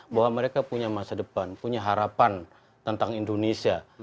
bahwa mereka punya masa depan punya harapan tentang indonesia